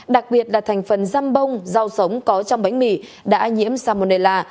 đặc biệt là thành phần dâm bông rau sống có trong bánh mì đã nhiễm salmonella